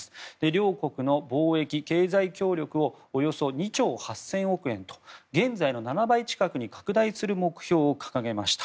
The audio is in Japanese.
両国の貿易・経済協力をおよそ２兆８０００億円と現在の７倍近くに拡大する目標を掲げました。